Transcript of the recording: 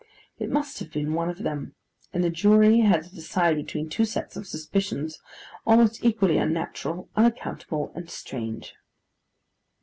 It must have been one of them: and the jury had to decide between two sets of suspicions, almost equally unnatural, unaccountable, and strange.